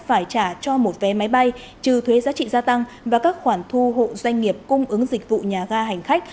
phải trả cho một vé máy bay trừ thuế giá trị gia tăng và các khoản thu hộ doanh nghiệp cung ứng dịch vụ nhà ga hành khách